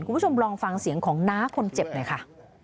คุณผู้ชมลองฟังเสียงของน้าคนเจ็บหน่อยค่ะ